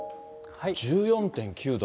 １４．９度。